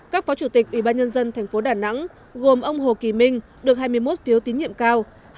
các phó chủ tịch ủy ban nhân dân thành phố đà nẵng gồm ông hồ kỳ minh được hai mươi một phiếu tín nhiệm cao